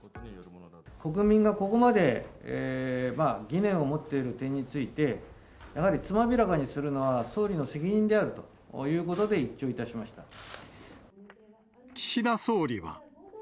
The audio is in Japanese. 国民がここまで疑念を持っている点について、やはりつまびらかにするのは、総理の責任であるということで一岸田総理は。